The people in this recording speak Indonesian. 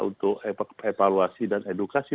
untuk evaluasi dan edukasi